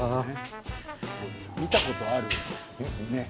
見たことあるねっ。